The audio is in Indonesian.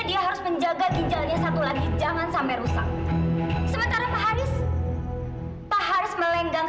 dia harus menjaga ginjalnya satu lagi jangan sampai rusak sementara pak haris pak haris melenggang